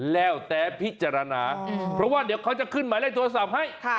แล้วแต่พิจารณาเพราะว่าเดี๋ยวเขาจะขึ้นหมายเลขโทรศัพท์ให้